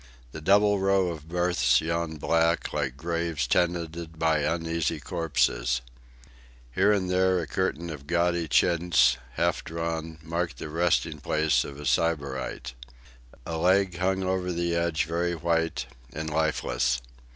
The double row of berths yawned black, like graves tenanted by uneasy corpses. Here and there a curtain of gaudy chintz, half drawn, marked the resting place of a sybarite. A leg hung over the edge very white and lifeless.